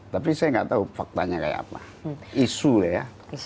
tapi saya nggak tahu faktanya kayak apa isu lah ya